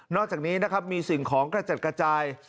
อกจากนี้นะครับมีสิ่งของกระจัดกระจาย